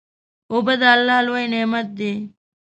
اوبه د الله لوی نعمت دی.